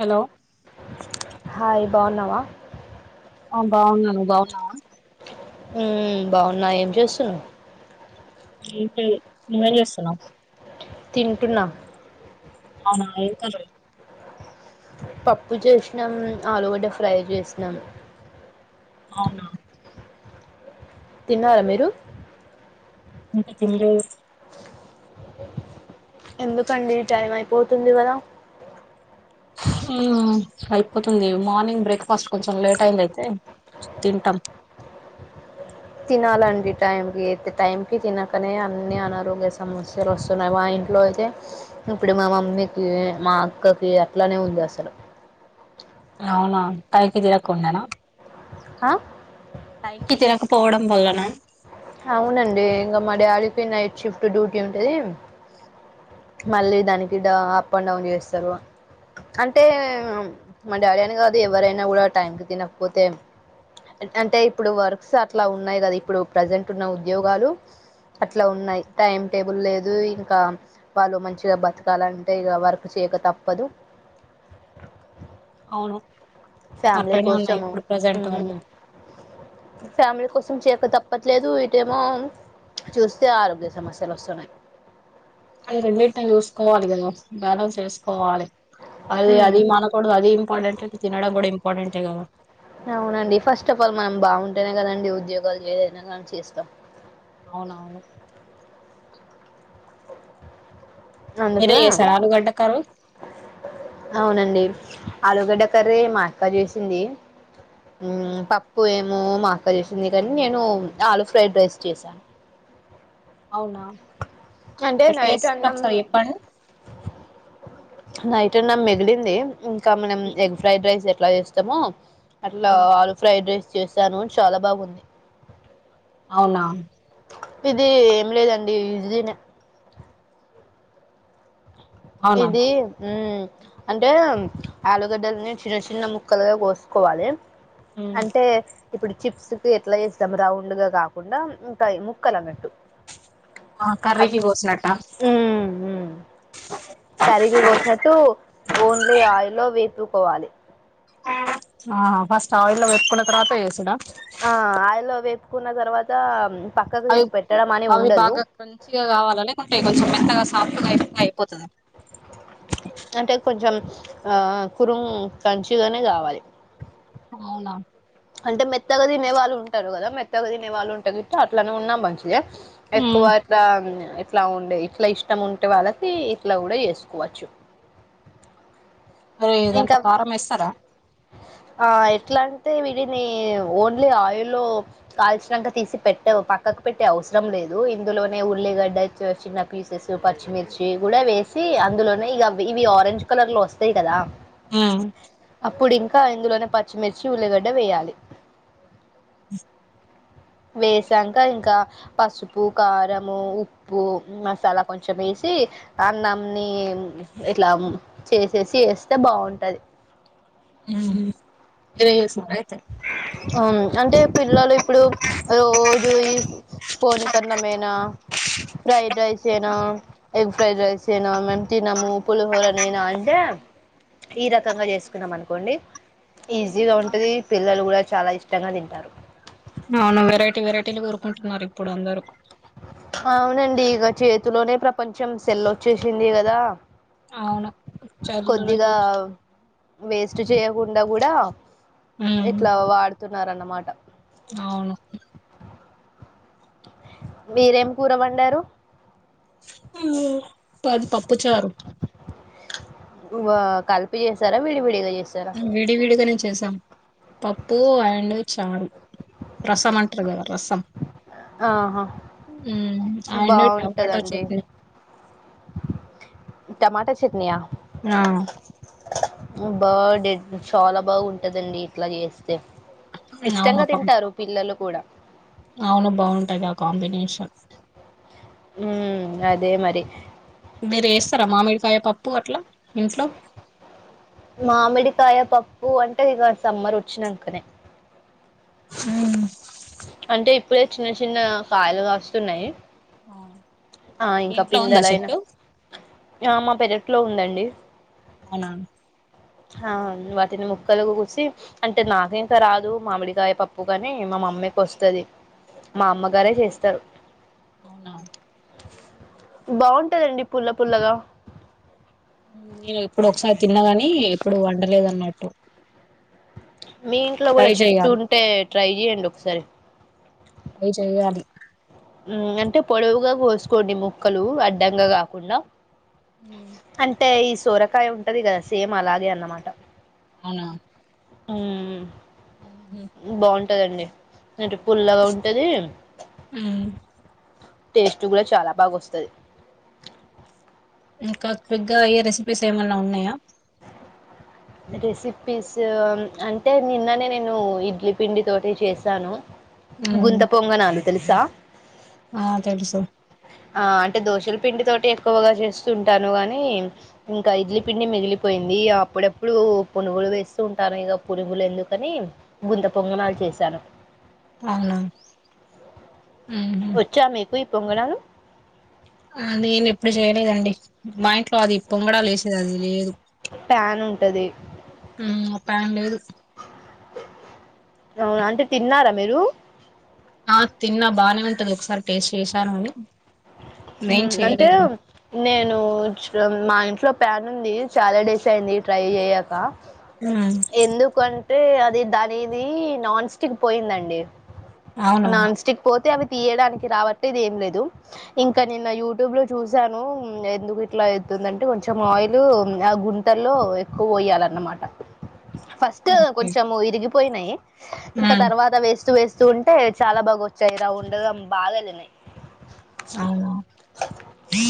Hello బావున్నావా ఆ బావున్నా నువ్ బావున్నావా ఉమ్మ్ బావున్నా ఏం చేస్తున్ ఏంటి నువ్వేం చేస్తున్నావ్ తింటున్నా అవునా ఏ కలర్ పప్పు చేసినాం ఆలుగడ్డ ఫ్రై చేసినాం అవునా తిన్నారా మీరు ఇంక తిన్లేదు ఎందుకండి టైం ఐపోతుంది గదా ఊ అయిపోతుంది మార్నింగ్ బ్రేక్ఫాస్ట్ కొంచెం లేట్ అయింది అయితే తింటం తినాలండి టైంకి టైంకి తినకనే అన్ని అనారోగ్య సమస్యలు ఓస్తున్నాయి మా ఇంట్లో అయితే ఇప్పుడు మా మమ్మీకి మా అక్కకి అట్లానే ఉంది అసలు అవునా టై కి తినకుండనా అ టైంకి తినక పోవడం వల్లనా అవునండి ఇంగ మా డాడీకి నైట్ షిఫ్ట్ డ్యూటీ ఉంటది మళ్ళీ దానికీడ అప్ అండ్ డౌన్ చేస్తారు అంటే మా డాడీ అని కాదు ఎవరైనా కూడా టైం కి తినకపోతే అంటే ఇప్పుడు వర్క్స్ అట్లా ఉన్నాయి కదా ఇప్పుడు ప్రజెంట్ ఉన్న ఉద్యోగాలు అట్ల ఉన్నయి టైం టేబుల్ లేదు ఇంకా వాళ్ళు మంచిగా బతకాలంటే ఇగ వర్క్ చేయక తప్పదు అను ఫ్యామిలీ కోసము అన్ని ఊమ్మ్ క తప్పట్లేదు ఇటేమో చూస్తే ఆరోగ్య సమస్యలు వస్తున్నాయి అది రెండెట్ట జూసుకోవాలి గద బ్యాలన్స్ చేసుకోవాలి అది ఉమ్, అది మానకూడదు అది [unintelligible] తినడము గుడా ఇంపార్టెంట్ గద అవునండి ఫస్ట్ ఆఫ్ ఆల్ మనం బావుంటేనే గదండి ఉద్యోగాలు ఏదైనా గానీ చేస్తా అవునవును అందుకు మీరే చేసారా ఆలుగడ్డ కర్రీ అవునండీ ఆలుగడ్డ కర్రీ ఎ మా అక్క జెసింది ఊం పప్పు ఏం మో మా అక్క చేసింది కనీ నేను ఆలు ఫ్రైడ్ రైస్ చేశాను అవునా అంటే ఎట్ల నైట్ ఎసిండ్రు అన్నం ఒకసారి జెప్పండి నైట్ అన్నం మిగిలింది ఇంకా మనం ఎగ్ ఫ్రైడ్ రైస్ ఎ ట్లా జెస్తమొ అట్లా ఆలు ఫ్రైడ్ రైస్ చేశాను చాల బాగుంది అవునా ఇది ఏం లేదండి ఈజీనే అవునా ఇది ఉమ్ అంటే ఆలుగడ్డల్ని చిన్న చిన్న ముక్కలుగా గోసుకోవాలే అంటే ఇప్పుడు చిప్స్ కు ఎట్లా చేస్తాం రౌండ్ గా కాకుండా ఇంక ముక్కలు అన్నట్టు ఆ కర్రీకీ అట్లా కోసినట్టా కరిీకి కోసినట్టు ఓన్లీ ఆ ఆయిల్లో వేపుకోవాలి ఆ ఫస్ట్ ఆయిల్లో వేపుకున్న తరువాత ఏసు ఆ ఆయిల్లో వేప్ కున్న తర్వాత మ్ అవి అవి బాగా క్రంచిగా కావాల లేకుంటే కొంచెం మెత్తగా సాఫ్ట్ గా అయిపో అయిపోతద అంటే కొంచెం ఆ కురుం కంచిగనే కావాలి అవునా అంటే మెత్తగా తినే వాళ్ళు ఉంటారు కదా మెత్తగా తినే వాళ్ళు ఉంటే గిట్ల అట్లనే ఉన్నా మంచి ఏ ఎక్కువయితా ఎట్లా ఉండే ఇట్ల ఇష్టం ఉంటే వాళ్ళకి ఇట్లా కూడా చేసుకోవచ్చు మరి ఇంకా దాంట్లో కారం వేస్తారా ఆ ఎట్లా అం టే వీటిని ఓన్లీ ఆయిల్లో కాల్చినంక తీసి పెట్టవు పక్కకు పెట్టే అవసరం లేదు ఇందులోనే ఉల్లిగడ్డచ్చ చిన్న పీసెస్సు పచ్చిమిర్చి కూడా వేస్ సీ అందులోనే ఇగ అవి ఇవి ఆరెంజ్ కలర్ లో వస్తాయి కదా ఊ ఇప్పుడు ఇంకా ఇందులోనే పచ్చిమిర్చి ఉల్లిగడ్డ వేయాలి [unintelligible] వేసాక ఇంకా పసుపు కారాము ఉప్పు మసాలా కొంచెం వేసి అన్నంని ఇట్లా చేసేసి వేస్ తే బావుంటది మీరే చేసినారా అయితే అంటే పిల్లలు పోని కన్నమేనా ఫ్రైడ్ రైస్ చేయినా ఎగ్ ఫ్రైడ్ రైస్ చేయినా మేము తినము పులిహోరనైనా అంటే ఈ రకంగా జేసుకున్నాం అనుకోండి ఈజీగా ఉంటది పె పిల్లలు గూడా చాలా ఇష్టంగా తింటారు అవును వెరైటీ వెరైటీలు కోరుకుంటున్నారు ఇప్పుడు అందరూ అవునండి ఇగో చేతిలోనే ప్రపంచం సెల్ వచ్చేసింది కదా అవును చదు కొద్దిగా వేస్ట్ చేయకుండా కూడా ఇట్లా వాడుతున్నారన్న మా మాట అవును మీరేం కూరవండారు ఊ మాది పప్పు చారు వా కలిపి జేసారా విడివిడిగా చే విడి విడిగానే చేశాం పప్పు అండ్ చారు రసం అంటారు గదా రసం ఆహా ఊ అండ్ టమాటో బాగుంటదండి చట్నీ టమాటా చట్నీయా నా బా డెడ్ చాలా బాగుంటదండి ఇట్లా చేస్తే అవును ఇష్టంగా తింటారు పిల్లలు కూడా అవును బావుంటది ఆ కాంబినేషన్ ఉ అదే మరి మీరు ఏస్తార మామిడికాయ పప్పు అట్లా ఇంట్లో మామిడికాయ పప్పు అంటే ఇక సమ్మర్ వచ్చినంకనే ఉమ అంటే ఇప్పుడే చిన్న చిన్న కాయలు కాస్తున్నాయి ఆ మీ ఇంకా ఇంట్లో ఉందా పిందెలయిన చెట్టు ఆ మా పెరట్లో ఉందండి అవునా ఆ వాటిని ముక్కలు గోసి అంటే నాక ఇంకా రాదు మామిడికాయ పప్పు కాని మా మమ్మీకి వస్తది మ అమ్మగారే జేస్తారు అవునా బాగుంటదండి పుల్ల పుల్లగా నేను ఇప్పుడు ఒకసారి తిన్నా గని ఎప్పుడు వండలేదన్నట్టు మీ ఇంట్లో గూడా చెట్టు ఉంటే ట్రై జేయండి ఒకసారి ట్రై చెయ్యాలి. ఊ అంటే పొడవుగా కోసుకోండి ముక్కలు అడ్డంగా కాకుండా. అంటే ఇస్ సోరకాయ ఉంటది గదా, సేమ్ అలాగే అన్నమాట. అవునా హ్మ్ బాగుంట్ ట్టదండి. అంటే పుల్లగా ఉంటదీ. టేస్ట్ గూడా చాలా బాగొస్తది. ఇంకా క్విక్గా అయ్యే రెసిపీస్ ఏమన్నా ఉన్నాయా. రెసిపీస్ ఆ అంటే నిన్ననే నేనూ ఇడ్లీ పిండి తోటి చేసాను. గుంత పొంగనాలు. తెలుసా ఆ తెలుసు. ఆ అంటే దోశల పిండి తోటి ఎక్కువగా చేస్తుంటాను గానీ, ఇంకా ఇడ్లీ పిండి మిగిలిపోయిందీ అప్పుడప్పుడూ పునుగులు వేస్తూ ఉంటాను ఇగ పునుగులు ఎందుకనీ గుంత పొంగనాలు చేసాను. అవునా ఒచ్చా మీకు ఇ పొంగనాలు ఆ నేను ఎప్పుడు చేయలేదండి మా ఇంట్లో అది పొంగడాలు ఏసేది అది లేదు. ప్యాన్ ఉంటది. మ్మ్, ఆ ప్యాన్ లేదు అవును అంటే తిన్నారా మీరు ఆ తిన్నా బానే ఉంటది ఒకసారి టేస్ట్ చేసాను గాని హు అంటే నేనూ మా ఇంట్లో ప్యాన్ ఉందీ చాలా డేస్ అయింది ట్రై చెయ్యకా. మ్మ్ ఎందుకం అంటే అది దానిదీ నాన్ స్టిక్ పోయిందండి. అవును నాన్స్టిక్ పోతే అవి తియ్యడానికి రాబట్టి ఇది ఏం లేదు. ఇంకా నిన్న యూట్యూబ్లో చూశానూ. ఎందుకు ఇట్లా అయితుందంటే కొంచెం ఆయిలూ ఆ గుంటల్లో ఎక్కువ పొయ్యాలన్నమాట. ఫస్టా ఓకే కొంచము ఇరిగి పొయినయి ఇంక మ్మ్ తర్వాత వేస్ట్ వేస్ స్తూంటే చాలా బాగా వచ్చాయి రౌండగా బాగా ఎల్లినయ్ అవును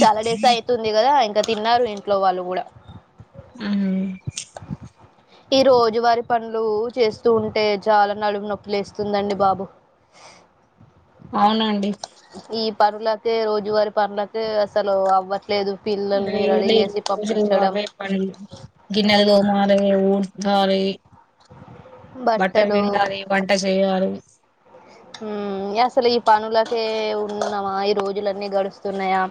చాలా డేస్ అయితుంది గదా ఇంక్ క తిన్నారు ఇంట్లో వాళ్ళు గూడా. ఊహు ఈ రోజువారి పనులు చేస్తూ ఉంటే చాలా నలువు నొప్పులే వేస్తుందండి బాబు అవునండి ఈ పనులకే రోజువారి పనులకే అసలు అవ్వట్లేదు పిల్లల్ని రెడీ డైలీ చేసి రోజు పంపించడం అప గిన్నెలు గో మార ఊ సరి బట్టర్ బట్టలు విడాల వంట చెయాల అసలు ఈ పనులకే ఉంన్నామా ఈ రోజులన్నీ గడుస్తున్నాయా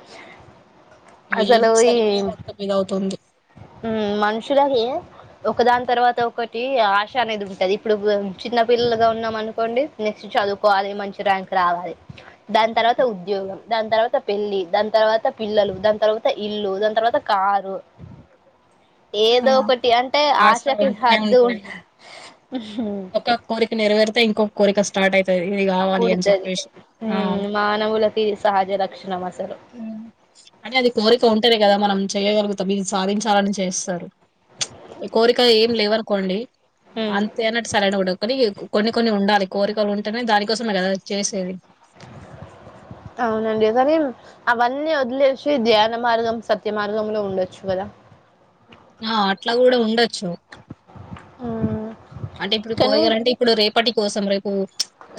ఇవి అసలు ఈ చేసేసరికి మొత్తం ఇద అవుతుంది మనుషులకి ఒక దాని తర్వాత ఒకటి ఆశ అనేది ఉంటది ఇప్పుడు చిన్న పిల్లలుగా ఉన్నాం అనుకోండి నెక్స్ట్ చదువుకోవాలి మంచి ర్యాంక్ రావాలి దాని తర్వాత ఉద్యోగం దాని తర్వాత పెళ్లి దాని తర్వాత పిల్లలు దాని తర్వాత ఇల్లు దాని తర్వాత కారు ఏదో ఒకటి అంటే ఆశ ఆశకి ఉంటూనే హద్దు ఉంటది ఉంట ఒక కోరిక నరవేరుత ఇంకోరిక స్రార్ట్ అయితే ఇది కావాలి అని పుడుతది. చెప్పేసి హ్మ్. మానవులకి ఇది సహజ లక్షణం అసలు. అంటే అది కోరిక ఉంటనే కదా మనం చెయ్యగలుగుతా మీది సాధించాలని చేస్తారు ఈ కోరిక ఏం లేవనుకోండి హ్మ్. అంతేన కని కొన్ని కొన్ని ఉండాలి కోరికలు ఉంటేనే దానికోసందా వచ్చసేది అవునండి కానీ అవన్నీ వదిలేసి ధ్యాన మార్గం సత్య మార్గంలో ఉండొచ్చు కదా ఆ అట్లా కూడా ఉండొచ్చు ఆ అంటే ఇప్పుడు పోయగారుంటే ఇప్పుడు రేపటి కోసం రేపు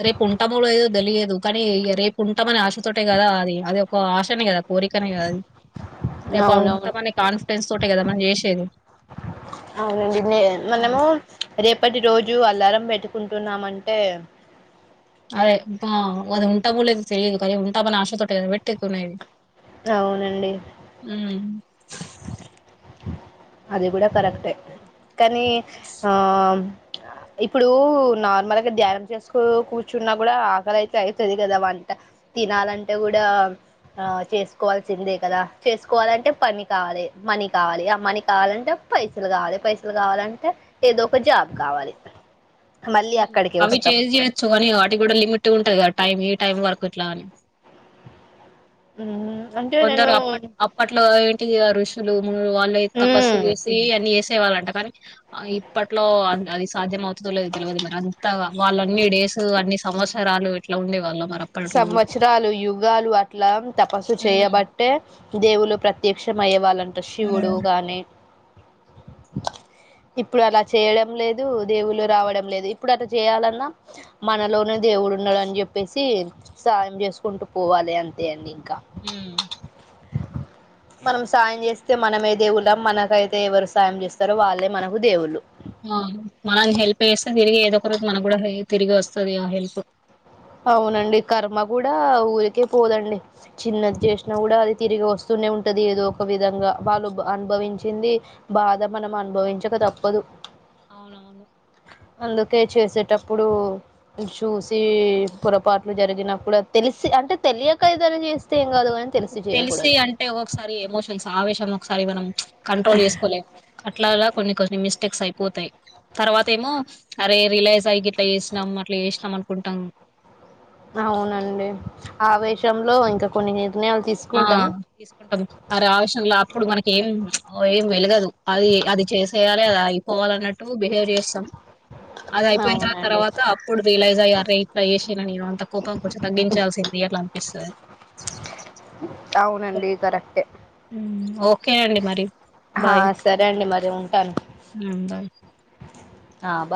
రేపు ఉంటాము లేదో తెలియదు కానీ రేపు ఉంటామని ఆశతోటే కదా అది అది ఒక ఆశనే కదా కోరికనే కదిపు అవునవును ఉంటామని కాన్ఫిడెన్స్ తోట కదా మని చేసేది ఇప్పటి రోజు అలారం పెట్టుకుంటున్నామంటే లేది తెలియదు కదే ఉంటామని ఆశ తట్టే పెట్టుక్కునేది అవునండి అది కూడా కరెక్టే కానీ ఆ ఇప్పుడు నార్మల్గా ధ్యానం చేసుకో కూర్చున్నా కూడా ఆకలి అయితే అయితది కదా వంట తినాలంటే కూడా ఆ చేసుకోవాల్సిందే కదా చేసుకోవాలంటే పని కావాలి మనీ కావాలి ఆ మనీ కావాలంటే పైసలు కావాలి పైసలు కావాలంటే ఏదో ఒక జాబ్ కావాలి మళ్ళీ అక్కడికే అవి వస్తాం చేసియచ్చు కానీ వాటి కూడా లిమిట్ ఉంటది టైమ్ ఈ టైమ్ వరకు ఇట్లా అని ఉహు కొందరు అప్పట్ అప్పట్లో ఏంటిది ఋషి షులు వాళ్ళు తపస్సు ఉమ్ చేసి అన్ని చేసి తేవాలంట కానీ ఇప్పట్లో అది సాధ్యమవు తదో లేదో తెల్వది మరి అంతా వాళ్ళన్ని డేస్ అన్ని సంవత్సరాలు ఇట్ల ఉండే వాళ్ళం సంవత్సరాలు యుగాలు అట్లా తపస్సు ఉమ్. చేయబట్టే దేవుళ్ళు ప్రత్యక్షం అయ్యే వాళ్ళన్ అంత శివుడు గానీ ఇప్పుడు అలా చేయడం లేదు దేవులు రావడం లేదు. ఇప్పుడు అట్ల చేయాలన్నా మనలోనే దేవుడు ఉన్నడని చెప్పేసి సాయం చేస్కుంటూ పోవాలె అంతే అండి. ఇంకా హ్ మనం సాయం చేస్ తే మనమే దేవుళ్ళం మనకైతే ఎవరు సాయం చేస్తారో వాళ్ళే మనకు దేవుళ్ళు. ఆ మనం హెల్ప్ చేస్తే తిరిగి ఏదో ఒక రోజు మనక్ గుడా తిరిగి వస్తది ఆ హెల్ప్ అవునండి కర్మ కూడా ఊరికే పోదండి. చిన్నది చేసినా కూడా అది తిరిగి వస్తూనే ఉంటది ఏదో ఒక విధంగా వాళ్ళు అనుభవించింది బాధ మనం అనుభవించక తప్పదు. అవునవును తే చేసేటప్పుడు చూసీ పొరపాట్లు జరిగినప్పు అద్ తెల్సి అంటే తెలియక ఏదన్న చేస్తే కాదు కానీ తెలిసి తెల్సి చేయకూడదు అంటే ఒకోసారి ఎమోషన్స్ ఆవేశం ఒకసారి మనం కంట్రోల్ చేస్కోలేం అట్ల అలా కొన్ని కొన్ని మిస్టేక్స్ అయిపోతయి. తర్వాత ఏమో అరే రిలైజ్ గిట్ల చేసినం అట్లా చేసినం అనుకుంటాం. అవునండి ఆవేశంలో ఇంకా [unintelligible] ఆ తీసుకుంటాం తీస్కుంటం అరే ఆవేషయంల అప్పుడు మనకి ఏం ఏం వెలగదు అది అది చేసేయాలె అది అయిపోవాలన్నట్ టు బిహేవ్ చేస్తాం. అది అయిపోయిన తర్ అవునండి తర్వాత అప్పుడు రిలైజ్ అరే ఇట్లా చేసిన నేను అంత కోపం కొంచెం తగ్గించాల్సింది అట్ల అనిపిస్తది. అవునండి కరెక్టే ఓకే అండి మరి హ బాయ్ సరే అండి మ ఉంటాను బాయ్ ఆ